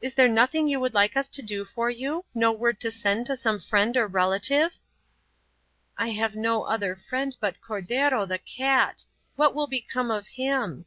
"Is there nothing you would like us to do for you? No word to send to some friend or relative?" "I have no other friend but Cordero, the cat. What will become of him?"